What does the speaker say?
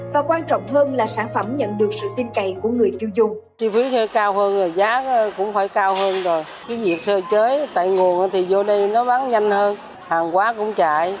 và quan trọng hơn là sản phẩm nhận được sự tin cậy của người tiêu dùng